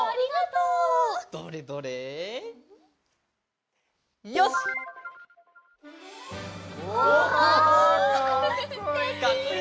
うわかっこいい！